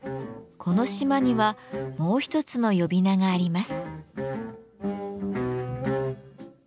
この島にはもう一つの呼び名があります。